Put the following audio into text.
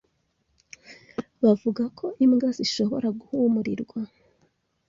bavuga ko imbwa zishobora guhumurirwa